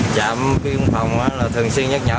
trạm biên phòng thường xuyên nhắc nhở